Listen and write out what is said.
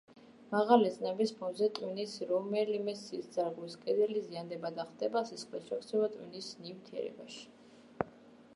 მაღალი წნევის ფონზე ტვინის რომელიმე სისხლძარღვის კედელი ზიანდება და ხდება სისხლის ჩაქცევა ტვინის ნივთიერებაში.